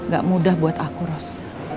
gak mudah buat aku ros